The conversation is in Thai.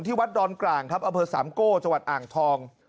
ที่วัดดอนกลางอสามโก้จอ่างทอง